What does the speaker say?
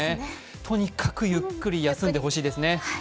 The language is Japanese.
とにかくゆっくり休んでほしいですね。